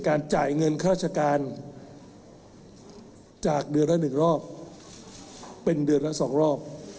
ข้าราชการจากเดือนละหนึ่งรอบเป็นเดือนละสองรอบ